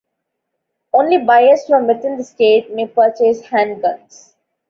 Only buyers from within the state may purchase handguns.